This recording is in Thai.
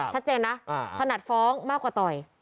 ชัดเจนนะถนัดฟ้องมากกว่าต่อย